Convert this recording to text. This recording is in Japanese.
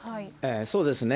そうですね。